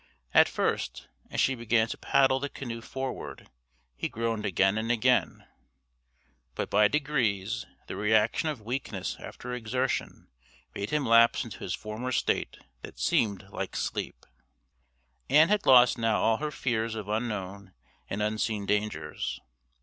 At first, as she began to paddle the canoe forward, he groaned again and again, but by degrees the reaction of weakness after exertion made him lapse into his former state that seemed like sleep. Ann had lost now all her fears of unknown and unseen dangers.